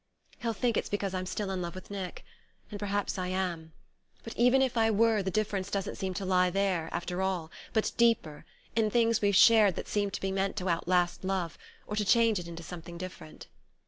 "He'll think it's because I'm still in love with Nick... and perhaps I am. But even if I were, the difference doesn't seem to lie there, after all, but deeper, in things we've shared that seem to be meant to outlast love, or to change it into something different."